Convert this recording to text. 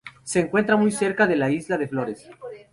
Se encuentran muy cerca de la Isla de Flores.